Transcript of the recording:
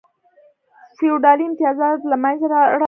فیوډالي امتیازات له منځه لاړل.